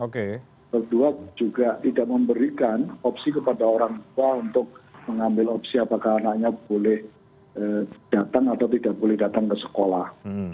kedua juga tidak memberikan opsi kepada orang tua untuk mengambil opsi apakah anaknya boleh datang atau tidak boleh datang ke sekolah